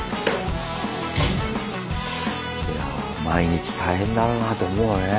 毎日大変だろうなぁと思うよね。